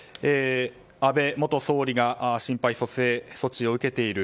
安倍元総理が心肺蘇生措置を受けている。